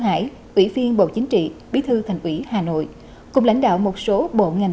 hải ủy viên bộ chính trị bí thư thành ủy hà nội cùng lãnh đạo một số bộ ngành